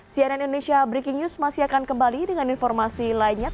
cnn indonesia breaking news masih akan kembali dengan informasi lainnya